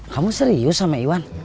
kamu serius sama iwan